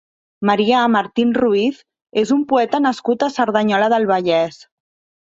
Marià Martín Ruiz és un poeta nascut a Cerdanyola del Vallès.